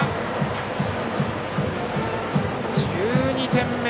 １２点目。